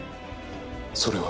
それは。